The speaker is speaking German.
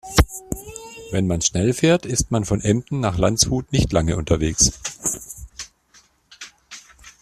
Wenn man schnell fährt, ist man von Emden nach Landshut nicht lange unterwegs